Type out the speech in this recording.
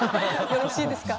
よろしいですか？